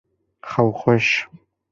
Xew xweş!